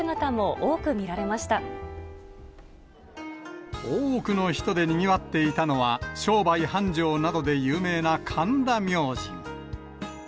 多くの人でにぎわっていたのは、商売繁盛などで有名な神田明神。